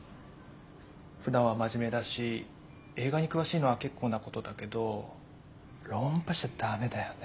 ふだんは真面目だし映画に詳しいのは結構なことだけど論破しちゃダメだよね。